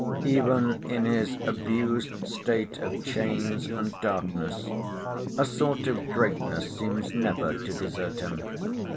Even in his abused state of chains and darkness, a sort of greatness seems never to desert him.